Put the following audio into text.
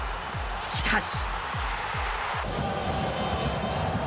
しかし。